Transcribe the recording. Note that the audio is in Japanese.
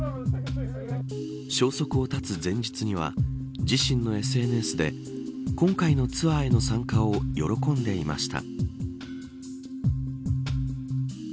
消息を絶つ前日には自身のＳＮＳで今回のツアーへの参加を喜んでいました。